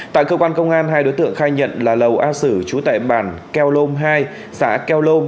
tại cơ quan công an hai đối tượng khai nhận là lầu a sử trú tại bản keo lôm hai xã keo